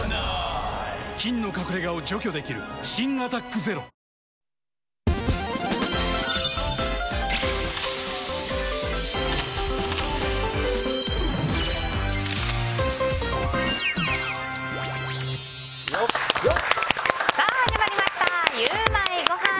菌の隠れ家を除去できる新「アタックＺＥＲＯ」さあ、始まりましたゆウマいごはん。